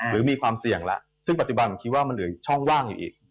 หรือมีความเสี่ยงแล้วซึ่งปัจจุบันผมคิดว่ามันเหลืออีกช่องว่างอยู่อีก